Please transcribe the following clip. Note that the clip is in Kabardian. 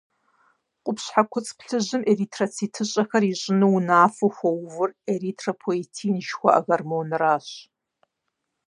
Къупщхьэ куцӏ плъыжьым эритроцитыщӏэхэр ищӏыну унафэу хуэувыр эритропоетин жыхуаӏэ гормонращ.